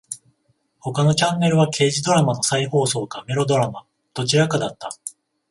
他のチャンネルは刑事ドラマの再放送かメロドラマ。どちらかだった。